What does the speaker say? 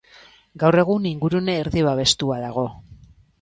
Gaur egun ingurune erdi-babestua dago.